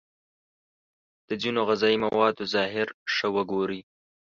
د ځینو غذايي موادو ظاهر ښه وگورئ.